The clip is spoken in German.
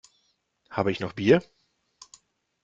Habe ich noch Bier?